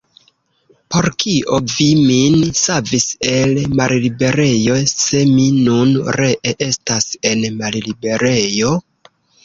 Por kio vi min savis el malliberejo, se mi nun ree estas en malliberejo?